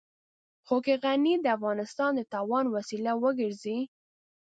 خو که غني د افغانستان د تاوان وسيله وګرځي.